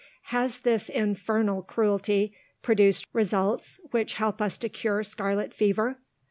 Has this infernal cruelty produced results which help us to cure scarlet fever?